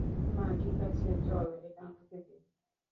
মা ঠিক আছে চল এটা আমাকে দে।